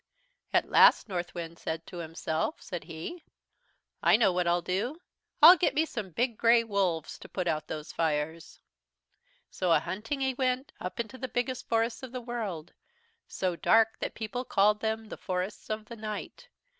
"At last Northwind said to himself, said he: "'I know what I'll do, I'll get me some big grey wolves to put out those fires.' "So a hunting he went, up into the biggest forests of the world, so dark that people called them 'the Forests of Night.'